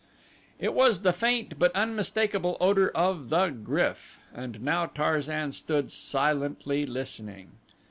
It was the faint, but unmistakable odor of the GRYF, and now Tarzan stood silently listening.